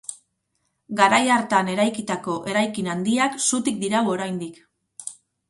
Garai hartan eraikitako eraikin handiak zutik dirau oraindik.